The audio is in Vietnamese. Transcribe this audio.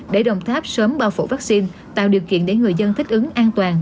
để đồng tháp sớm bao phủ vắc xin tạo điều kiện để người dân thích ứng an toàn